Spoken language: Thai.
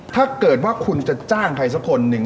ถ้าเกิดว่าคุณจะจ้างใครสักคนหนึ่ง